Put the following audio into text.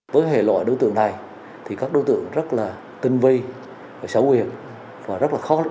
với hệ loại đối tượng này các đối tượng rất tinh vi xấu huyệt và rất khó lương